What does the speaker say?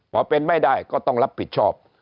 พอเป็นไม่ได้ก็ต้องรับผิดชอบ